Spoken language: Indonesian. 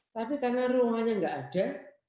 tapi karena ruangnya enggak ada